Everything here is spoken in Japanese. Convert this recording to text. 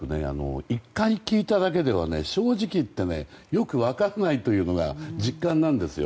１回聞いただけでは正直、よく分からないというのが実感なんですよ。